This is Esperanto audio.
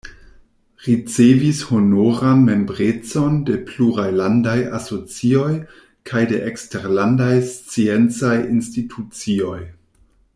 Ricevis honoran membrecon de pluraj landaj asocioj kaj de eksterlandaj sciencaj institucioj.